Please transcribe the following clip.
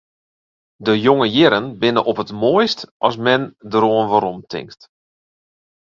De jonge jierren binne op it moaist as men deroan weromtinkt.